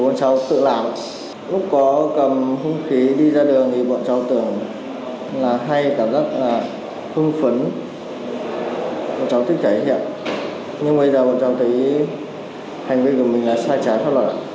bọn cháu là đi hôn nước thanh niên của nhóm đi hôn nước là vừa ra khỏi quán nước thì có một nhóm đối tượng chửi con cháu